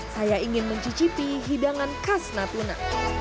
saya ingin mencicipi hidangan khas natuna